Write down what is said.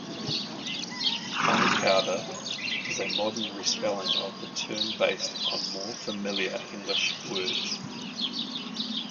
"Piepowder" is a modern respelling of the term based on more familiar English words.